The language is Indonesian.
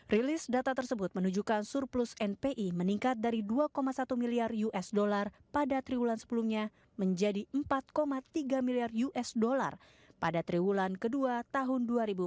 rilis data tersebut menunjukkan surplus npi meningkat dari dua satu miliar usd pada triwulan sebelumnya menjadi empat tiga miliar usd pada triwulan kedua tahun dua ribu empat belas